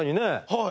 はい。